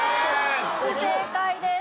不正解です。